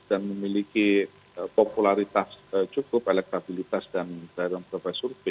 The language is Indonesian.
dan memiliki popularitas cukup elektabilitas dan dari profesor b